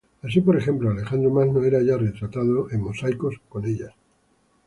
Así, por ejemplo, Alejandro Magno era ya retratado en mosaicos con ellas.